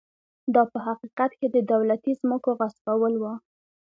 دا په حقیقت کې د دولتي ځمکو غصبول و.